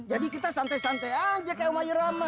jadi kita santai santai aja kayak wany rama